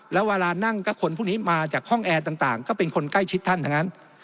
แล้วเวลานั่งก็คนพวกนี้มาจากห้องแอร์ต่างก็เป็นคนใกล้ชิดท่านทั้งนั้น